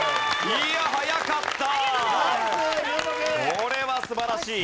これは素晴らしい。